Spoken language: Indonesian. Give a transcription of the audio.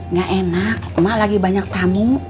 nggak enak cuma lagi banyak tamu